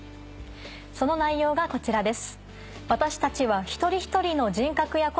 その内容がこちらです。